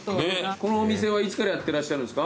このお店はいつからやってらっしゃるんですか？